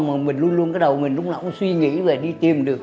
mà mình luôn luôn cái đầu mình lúc nào cũng suy nghĩ về đi tìm được